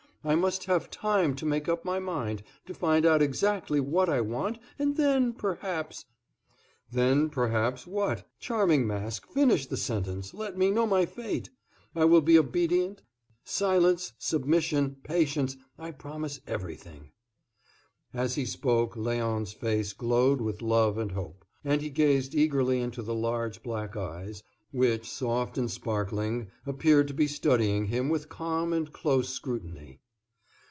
I must have time to make up my mind, to find out exactly what I want, and then, perhaps " "Then, perhaps, what? Charming Mask, finish the sentence, let me know my fate. I will be obedient; silence, submission, patience, I promise everything." As he spoke Léon's face glowed with love and hope, and he gazed eagerly into the large, black eyes, which, soft and sparkling, appeared to be studying him with calm and close scrutiny.